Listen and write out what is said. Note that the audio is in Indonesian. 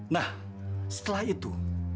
nah setelah itu